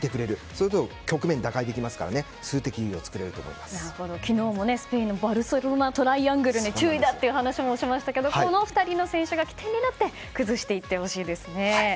それで局面を打開できますから昨日もスペインのバルセロナトライアングルに注意だという話をしましたがこの２人の選手が起点になって崩していってほしいですね。